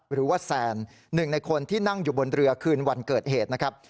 หรือว่าแซนหนึ่งในคนที่นั่งอยู่บนเรือคืนวันเกิดเหตุนะครับ